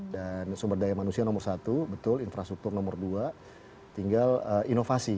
dan sumber daya manusia nomor satu betul infrastruktur nomor dua tinggal inovasi